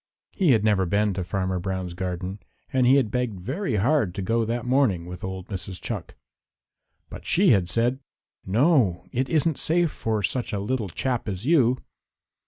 He had never been to Farmer Brown's garden and he had begged very hard to go that morning with old Mrs. Chuck. But she had said "No. It isn't safe for such a little chap as you."